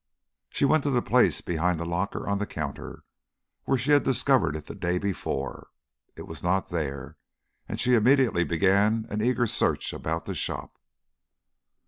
She went to the place behind the locker on the counter, where she had discovered it the day before. It was not there; and she immediately began an eager search about the shop.